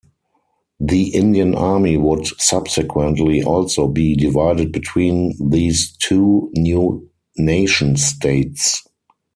The Indian Army would subsequently also be divided between these two new nation states.